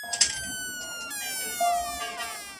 لوی انسانان تل د نورو خلګو تېروتنې بښي.